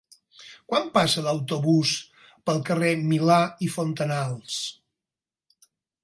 Quan passa l'autobús pel carrer Milà i Fontanals?